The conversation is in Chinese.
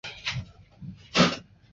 父亲去世后辞官不仕。